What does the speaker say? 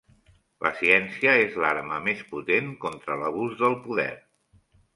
La ciència és l'arma més potent contra l'abús del poder.